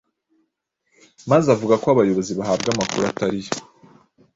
maze avuga ko abayobozi bahabwa amakuru atari yo